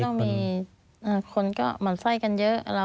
แต่ก็ต้องมีคนก็มันใส่กันเยอะ